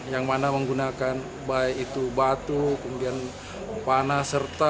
yang mana menggunakan baik itu batu kemudian panah